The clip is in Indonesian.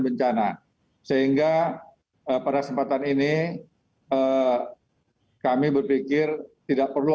bencana sehingga pada kesempatan ini kami berpikir tidak perlu